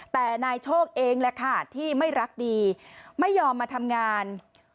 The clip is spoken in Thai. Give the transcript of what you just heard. แต่นายโชคเองแหละค่ะที่ไม่รักดีไม่ยอมมาทำงาน